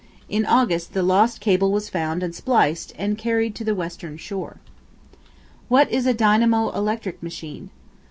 In August the lost cable was found and spliced, and carried to the western shore. What is a Dynamo electric machine?